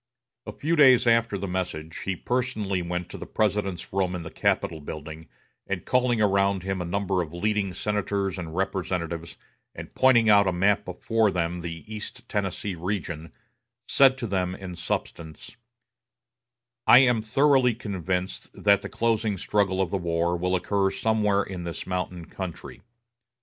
A few days after the message, he personally went to the President's room in the Capitol building, and calling around him a number of leading senators and representatives, and pointing out on a map before them the East Tennessee region, said to them in substance: I am thoroughly convinced that the closing struggle of the war will occur somewhere in this mountain country.